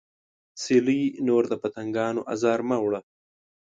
سیلۍ نور د پتنګانو ازار مه وړه